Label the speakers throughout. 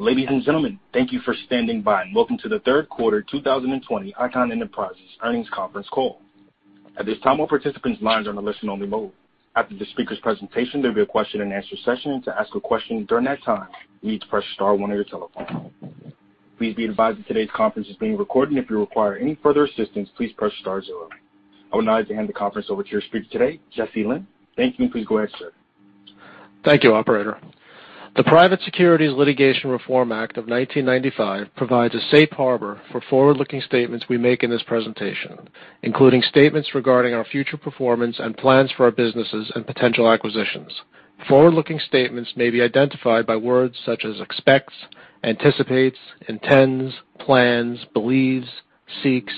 Speaker 1: Ladies and gentlemen, thank you for standing by and welcome to the third quarter 2020 Icahn Enterprises earnings conference call. At this time, all participants' lines are in a listen only mode. After the speaker's presentation, there'll be a question and answer session. To ask a question during that time, you need to press star one on your telephone. Please be advised that today's conference is being recorded. If you require any further assistance, please press star zero. I would now like to hand the conference over to your speaker today, Jesse Lynn. Thank you, and please go ahead, sir.
Speaker 2: Thank you, operator. The Private Securities Litigation Reform Act of 1995 provides a safe harbor for forward-looking statements we make in this presentation, including statements regarding our future performance and plans for our businesses and potential acquisitions. Forward-looking statements may be identified by words such as expects, anticipates, intends, plans, believes, seeks,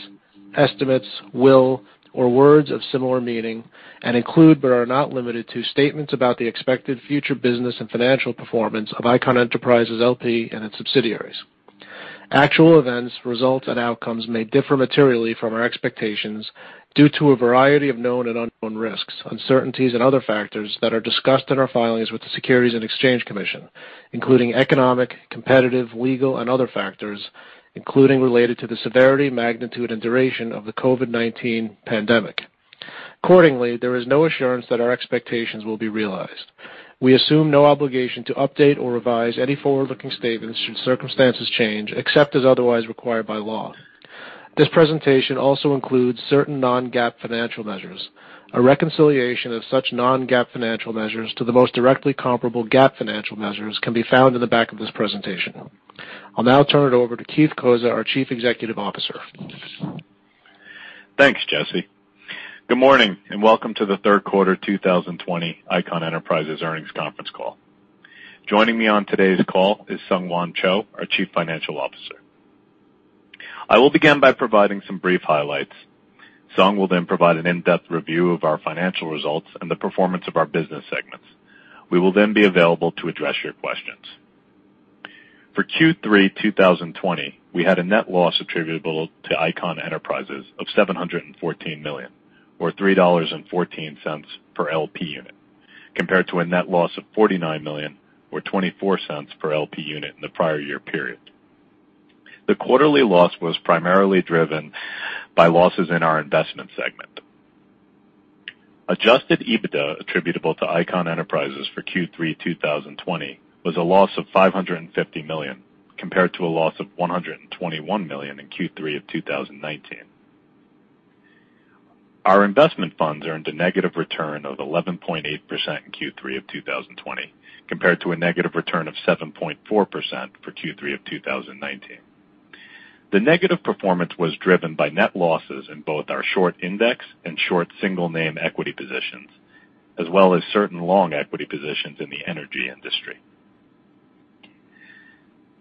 Speaker 2: estimates, will, or words of similar meaning, and include but are not limited to statements about the expected future business and financial performance of Icahn Enterprises LP and its subsidiaries. Actual events, results, and outcomes may differ materially from our expectations due to a variety of known and unknown risks, uncertainties, and other factors that are discussed in our filings with the Securities and Exchange Commission, including economic, competitive, legal, and other factors, including related to the severity, magnitude, and duration of the COVID-19 pandemic. Accordingly, there is no assurance that our expectations will be realized. We assume no obligation to update or revise any forward-looking statements should circumstances change, except as otherwise required by law. This presentation also includes certain non-GAAP financial measures. A reconciliation of such non-GAAP financial measures to the most directly comparable GAAP financial measures can be found in the back of this presentation. I'll now turn it over to Keith Cozza, our Chief Executive Officer.
Speaker 3: Thanks, Jesse. Good morning, and welcome to the third quarter 2020 Icahn Enterprises earnings conference call. Joining me on today's call is SungHwan Cho, our Chief Financial Officer. I will begin by providing some brief highlights. Sung will then provide an in-depth review of our financial results and the performance of our business segments. We will then be available to address your questions. For Q3 2020, we had a net loss attributable to Icahn Enterprises of $714 million, or $3.14 per LP unit, compared to a net loss of $49 million or $0.24 per LP unit in the prior year period. The quarterly loss was primarily driven by losses in our Investment segment. Adjusted EBITDA attributable to Icahn Enterprises for Q3 2020 was a loss of $550 million, compared to a loss of $121 million in Q3 of 2019. Our investment funds earned a negative return of 11.8% in Q3 of 2020, compared to a negative return of 7.4% for Q3 of 2019. The negative performance was driven by net losses in both our short index and short single name equity positions, as well as certain long equity positions in the energy industry.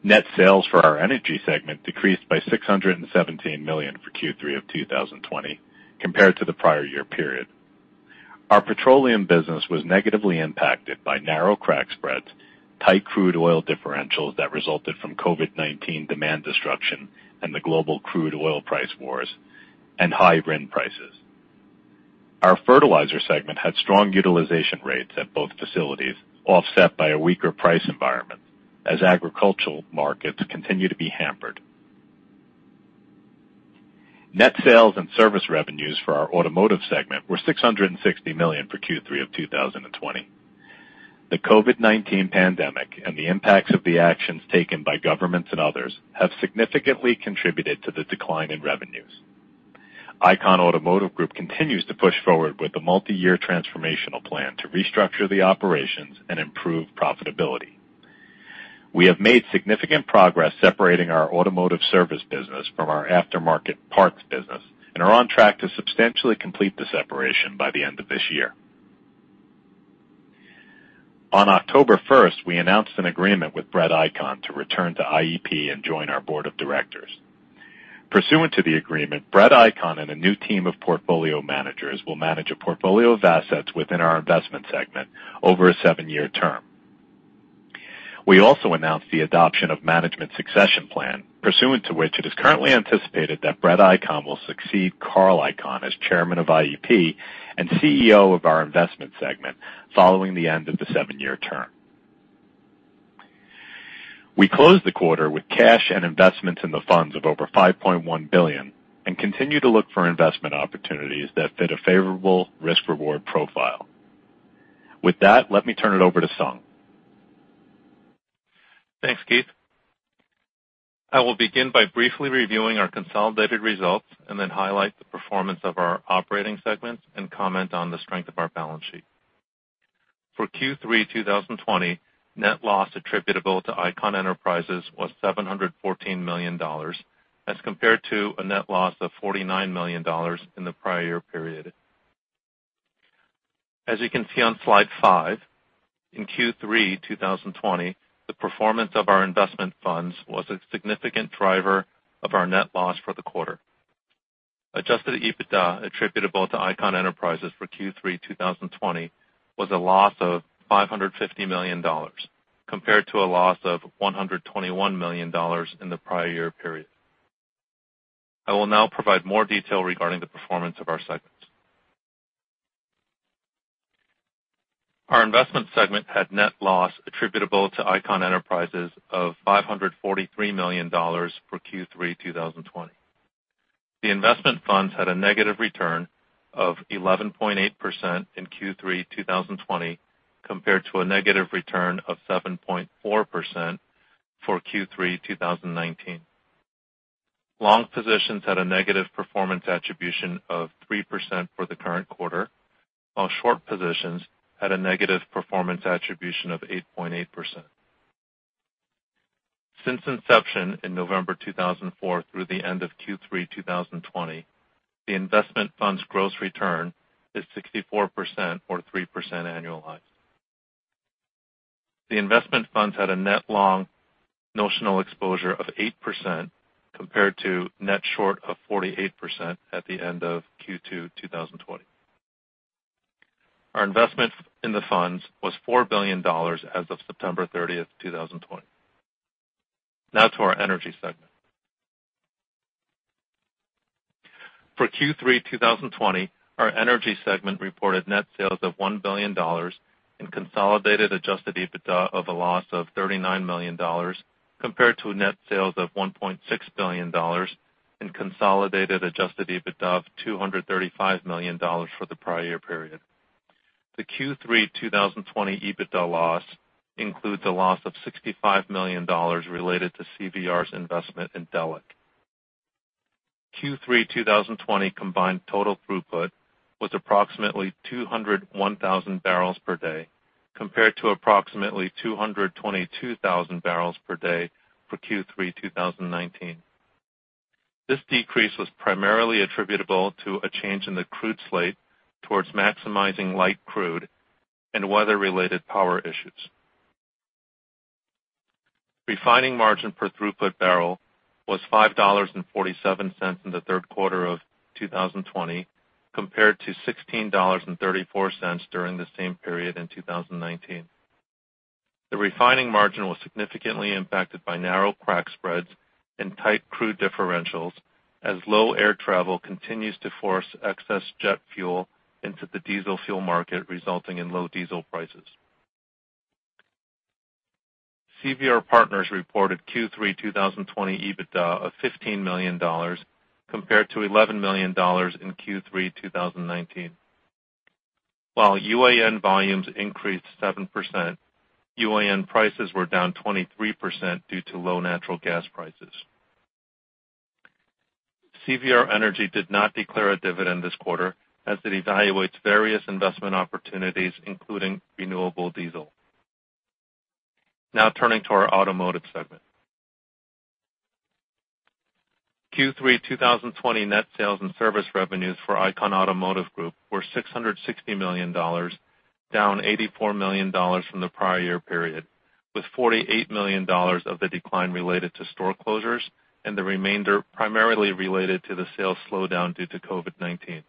Speaker 3: Net sales for our Energy segment decreased by $617 million for Q3 of 2020 compared to the prior year period. Our petroleum business was negatively impacted by narrow crack spreads, tight crude oil differentials that resulted from COVID-19 demand destruction and the global crude oil price wars, and high RIN prices. Our Fertilizer segment had strong utilization rates at both facilities, offset by a weaker price environment as agricultural markets continue to be hampered. Net sales and service revenues for our Automotive segment were $660 million for Q3 of 2020. The COVID-19 pandemic and the impacts of the actions taken by governments and others have significantly contributed to the decline in revenues. Icahn Automotive Group continues to push forward with the multi-year transformational plan to restructure the operations and improve profitability. We have made significant progress separating our automotive service business from our aftermarket parts business and are on track to substantially complete the separation by the end of this year. On October 1st, we announced an agreement with Brett Icahn to return to IEP and join our board of directors. Pursuant to the agreement, Brett Icahn and a new team of portfolio managers will manage a portfolio of assets within our investment segment over a seven-year term. We also announced the adoption of management succession plan, pursuant to which it is currently anticipated that Brett Icahn will succeed Carl Icahn as chairman of IEP and CEO of our investment segment following the end of the seven-year term. We closed the quarter with cash and investments in the funds of over $5.1 billion and continue to look for investment opportunities that fit a favorable risk-reward profile. With that, let me turn it over to Sung.
Speaker 4: Thanks, Keith. I will begin by briefly reviewing our consolidated results and then highlight the performance of our operating segments and comment on the strength of our balance sheet. For Q3 2020, net loss attributable to Icahn Enterprises was $714 million as compared to a net loss of $49 million in the prior year period. As you can see on slide five, in Q3 2020, the performance of our investment funds was a significant driver of our net loss for the quarter. Adjusted EBITDA attributable to Icahn Enterprises for Q3 2020 was a loss of $550 million, compared to a loss of $121 million in the prior year period. I will now provide more detail regarding the performance of our segments. Our investment segment had net loss attributable to Icahn Enterprises of $543 million for Q3 2020. The investment funds had a negative return of 11.8% in Q3 2020 compared to a negative return of 7.4% for Q3 2019. Long positions had a negative performance attribution of 3% for the current quarter, while short positions had a negative performance attribution of 8.8%. Since inception in November 2004 through the end of Q3 2020, the investment fund's gross return is 64%, or 3% annualized. The investment funds had a net long notional exposure of 8%, compared to net short of 48% at the end of Q2 2020. Our investment in the funds was $4 billion as of September 30th, 2020. Now to our Energy segment. For Q3 2020, our Energy segment reported net sales of $1 billion and consolidated adjusted EBITDA of a loss of $39 million, compared to net sales of $1.6 billion and consolidated adjusted EBITDA of $235 million for the prior year period. The Q3 2020 EBITDA loss includes a loss of $65 million related to CVR's investment in Delek. Q3 2020 combined total throughput was approximately 201,000 bpd, compared to approximately 222,000 bpd for Q3 2019. This decrease was primarily attributable to a change in the crude slate towards maximizing light crude and weather-related power issues. Refining margin per throughput barrel was $5.47 in the third quarter of 2020, compared to $16.34 during the same period in 2019. The refining margin was significantly impacted by narrow crack spreads and tight crude differentials, as low air travel continues to force excess jet fuel into the diesel fuel market, resulting in low diesel prices. CVR Partners reported Q3 2020 EBITDA of $15 million compared to $11 million in Q3 2019. While UAN volumes increased 7%, UAN prices were down 23% due to low natural gas prices. CVR Energy did not declare a dividend this quarter as it evaluates various investment opportunities, including renewable diesel. Now turning to our automotive segment. Q3 2020 net sales and service revenues for Icahn Automotive Group were $660 million, down $84 million from the prior year period, with $48 million of the decline related to store closures and the remainder primarily related to the sales slowdown due to COVID-19.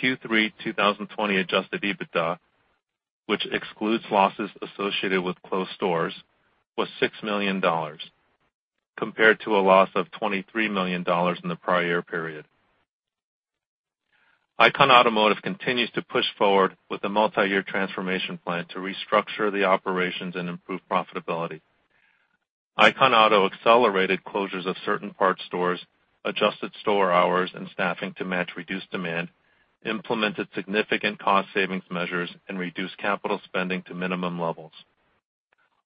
Speaker 4: Q3 2020 adjusted EBITDA, which excludes losses associated with closed stores, was $6 million, compared to a loss of $23 million in the prior year period. Icahn Automotive continues to push forward with a multi-year transformation plan to restructure the operations and improve profitability. Icahn Auto accelerated closures of certain parts stores, adjusted store hours and staffing to match reduced demand, implemented significant cost savings measures, and reduced capital spending to minimum levels.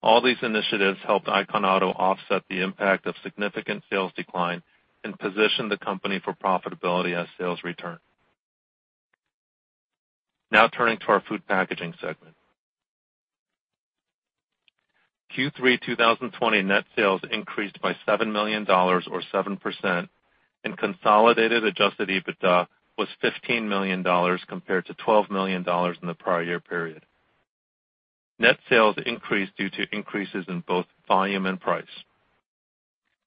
Speaker 4: All these initiatives helped Icahn Auto offset the impact of significant sales decline and position the company for profitability as sales return. Now turning to our Food Packaging segment. Q3 2020 net sales increased by $7 million, or 7%, and consolidated adjusted EBITDA was $15 million compared to $12 million in the prior year period. Net sales increased due to increases in both volume and price.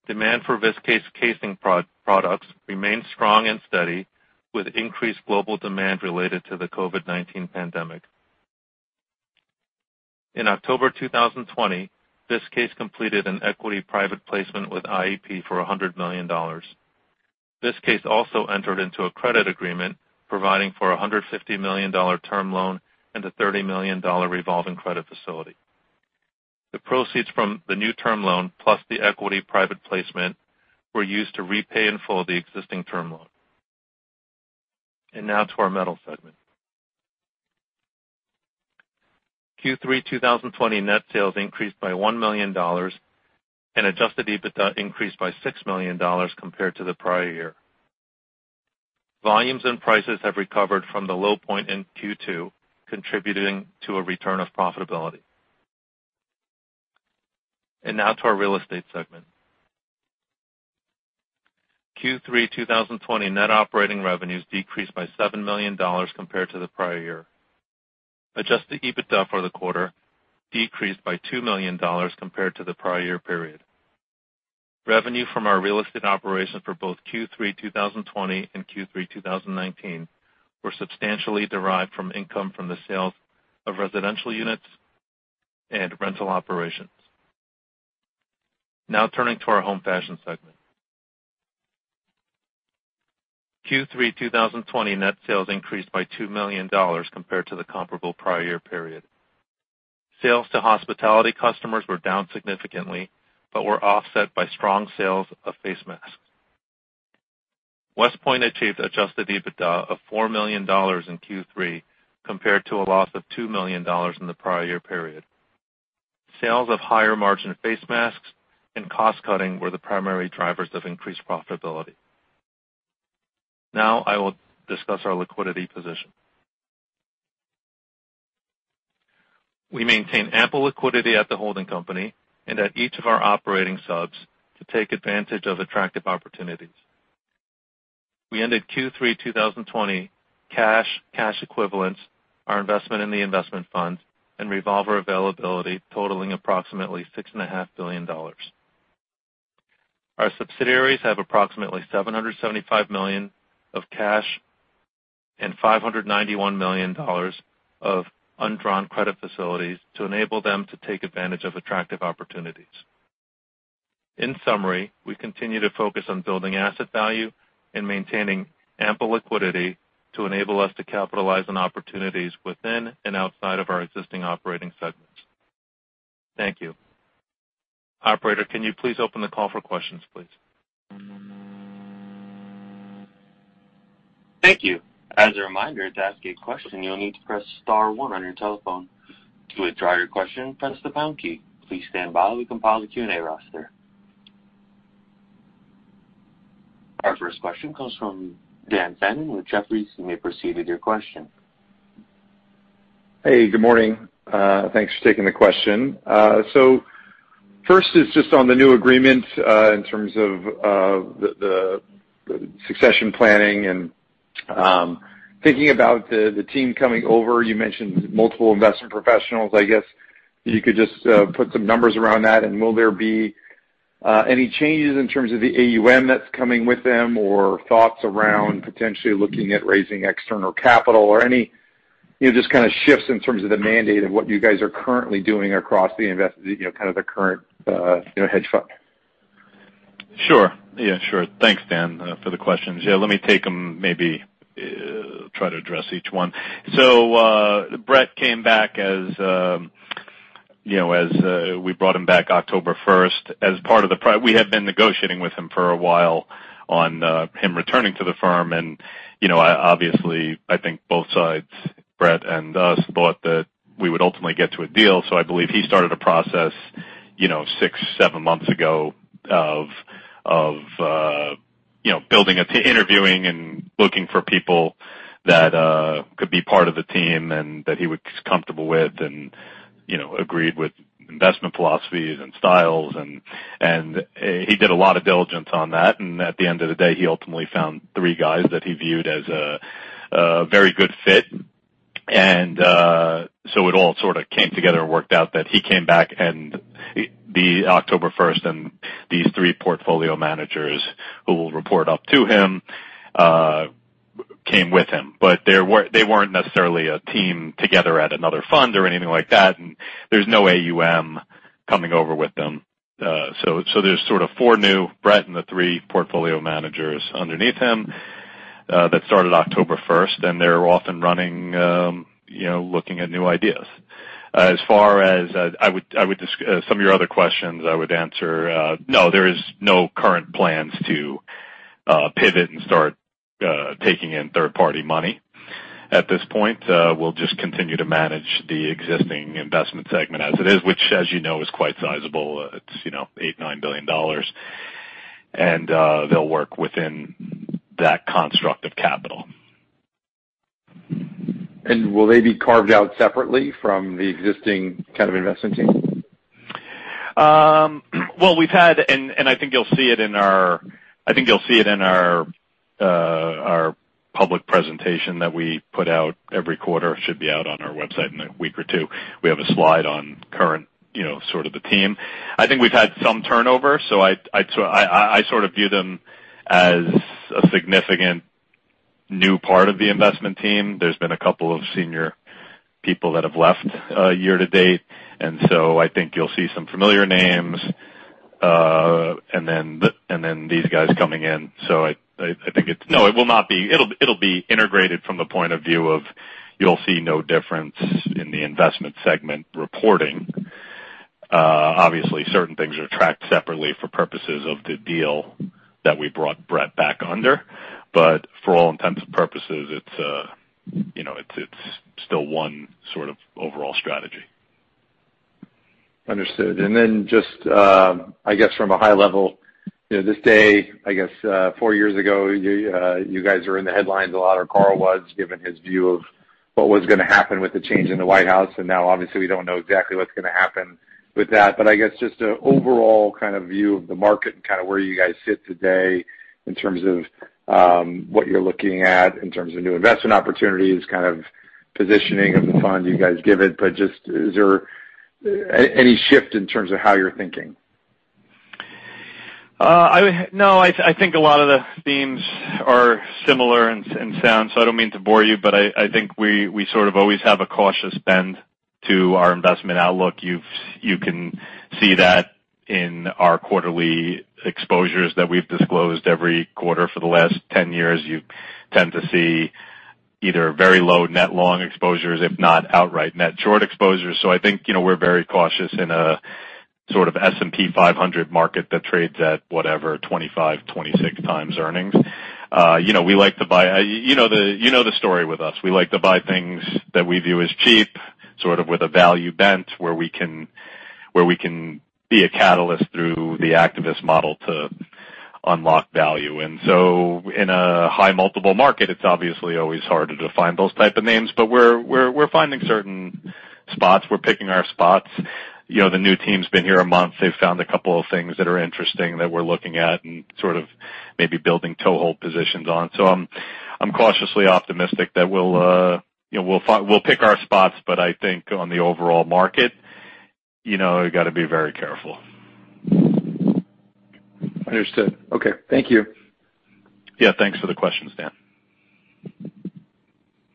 Speaker 4: Demand for Viskase casing products remains strong and steady with increased global demand related to the COVID-19 pandemic. In October 2020, Viskase completed an equity private placement with IEP for $100 million. Viskase also entered into a credit agreement providing for a $150 million term loan and a $30 million revolving credit facility. The proceeds from the new term loan, plus the equity private placement, were used to repay in full the existing term loan. Now to our metals segment. Q3 2020 net sales increased by $1 million, and adjusted EBITDA increased by $6 million compared to the prior year. Volumes and prices have recovered from the low point in Q2, contributing to a return of profitability. Now to our real estate segment. Q3 2020 net operating revenues decreased by $7 million compared to the prior year. Adjusted EBITDA for the quarter decreased by $2 million compared to the prior year period. Revenue from our real estate operations for both Q3 2020 and Q3 2019 were substantially derived from income from the sales of residential units and rental operations. Now turning to our Home Fashion segment. Q3 2020 net sales increased by $2 million compared to the comparable prior year period. Sales to hospitality customers were down significantly, but were offset by strong sales of face masks. WestPoint achieved adjusted EBITDA of $4 million in Q3, compared to a loss of $2 million in the prior year period. Sales of higher margin face masks and cost-cutting were the primary drivers of increased profitability. Now I will discuss our liquidity position. We maintain ample liquidity at the holding company and at each of our operating subs to take advantage of attractive opportunities. We ended Q3 2020, cash equivalents, our investment in the investment fund, and revolver availability totaling approximately $6.5 billion. Our subsidiaries have approximately $775 million of cash and $591 million of undrawn credit facilities to enable them to take advantage of attractive opportunities. In summary, we continue to focus on building asset value and maintaining ample liquidity to enable us to capitalize on opportunities within and outside of our existing operating segments. Thank you. Operator, can you please open the call for questions, please?
Speaker 1: Thank you. As a reminder, to ask a question, you'll need to press star one on your telephone. To withdraw your question, press the pound key. Please stand by while we compile the Q&A roster. Our first question comes from Dan Fannon with Jefferies. You may proceed with your question.
Speaker 5: Hey, good morning. Thanks for taking the question. First is just on the new agreement, in terms of the succession planning and thinking about the team coming over. You mentioned multiple investment professionals. I guess if you could just put some numbers around that, and will there be any changes in terms of the AUM that's coming with them or thoughts around potentially looking at raising external capital or any just kind of shifts in terms of the mandate of what you guys are currently doing across the kind of the current hedge fund?
Speaker 3: Sure. Yeah, sure. Thanks, Dan, for the questions. Yeah, let me take them, maybe try to address each one. Brett came back as we brought him back October 1st. We had been negotiating with him for a while on him returning to the firm. Obviously, I think both sides, Brett and us, thought that we would ultimately get to a deal. I believe he started a process six, seven months ago of building a team, interviewing and looking for people that could be part of the team and that he was comfortable with and agreed with investment philosophies and styles and he did a lot of diligence on that. At the end of the day, he ultimately found three guys that he viewed as a very good fit. It all sort of came together and worked out that he came back October 1st, and these three portfolio managers, who will report up to him, came with him. They weren't necessarily a team together at another fund or anything like that. There's no AUM coming over with them. There's sort of four new, Brett and the three portfolio managers underneath him, that started October 1st, and they're off and running, looking at new ideas. As far as some of your other questions, I would answer, no, there is no current plans to pivot and start taking in third-party money. At this point, we'll just continue to manage the existing investment segment as it is, which as you know, is quite sizable. It's $8 billion-$9 billion. They'll work within that construct of capital.
Speaker 5: Will they be carved out separately from the existing kind of investment team?
Speaker 3: Well, we've had, I think you'll see it in our public presentation that we put out every quarter. Should be out on our website in a week or two. We have a slide on current sort of the team. I think we've had some turnover, I sort of view them as a significant new part of the investment team. There's been a couple of senior people that have left year-to-date, I think you'll see some familiar names, these guys coming in. I think it's No, it will not be. It'll be integrated from the point of view of you'll see no difference in the investment segment reporting. Obviously, certain things are tracked separately for purposes of the deal that we brought Brett back under. For all intents and purposes, it's still one sort of overall strategy.
Speaker 5: Understood. Just, I guess from a high level, this day, I guess, four years ago, you guys were in the headlines a lot, or Carl was, given his view of what was going to happen with the change in the White House. Obviously, we don't know exactly what's going to happen with that. I guess just an overall kind of view of the market and kind of where you guys sit today in terms of what you're looking at in terms of new investment opportunities, kind of positioning of the fund you guys give it. Just is there any shift in terms of how you're thinking?
Speaker 3: No, I think a lot of the themes are similar and sound. I don't mean to bore you, but I think we sort of always have a cautious bend to our investment outlook. You can see that in our quarterly exposures that we've disclosed every quarter for the last 10 years. You tend to see either very low net long exposures, if not outright net short exposures. I think we're very cautious in a sort of S&P 500 market that trades at, whatever, 25, 26 times earnings. You know the story with us. We like to buy things that we view as cheap, sort of with a value bent, where we can be a catalyst through the activist model to unlock value. In a high multiple market, it's obviously always harder to find those type of names, but we're finding certain spots. We're picking our spots. The new team's been here a month. They've found a couple of things that are interesting that we're looking at and sort of maybe building toehold positions on. I'm cautiously optimistic that we'll pick our spots, but I think on the overall market, you've got to be very careful.
Speaker 5: Understood. Okay. Thank you.
Speaker 3: Yeah, thanks for the question, Dan.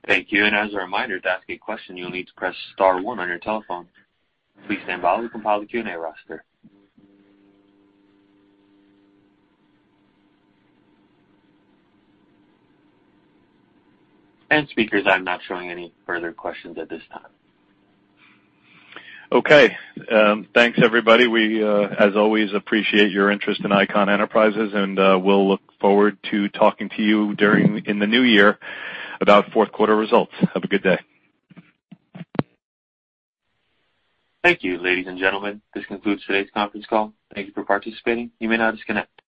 Speaker 1: Thank you. And as a reminder, to ask a question, you'll need to press star one on your telephone. Please stand by while we compile the Q&A roster. And speakers, I'm not showing any further questions at this time.
Speaker 3: Okay. Thanks, everybody. We, as always, appreciate your interest in Icahn Enterprises, and we'll look forward to talking to you in the new year about fourth quarter results. Have a good day.
Speaker 1: Thank you, ladies and gentlemen. This concludes today's conference call. Thank you for participating. You may now disconnect.